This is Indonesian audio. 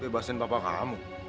bebasin papa kamu